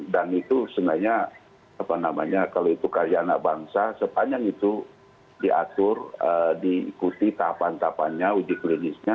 dan itu sebenarnya kalau itu karya anak bangsa sepanjang itu diatur diikuti tahapan tahapannya uji klinisnya